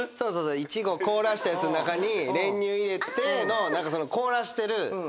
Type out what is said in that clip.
⁉イチゴ凍らせたやつん中に練乳入れての何かその。